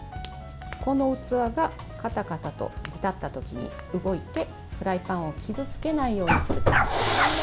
この器がカタカタと煮立った時に動いて、フライパンを傷つけないようにするためです。